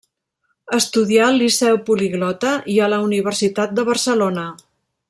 Estudià al Liceu Poliglota i a la Universitat de Barcelona.